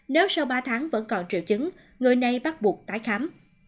nếu sau ba tháng vẫn còn triệu chứng người này bắt buộc tái khám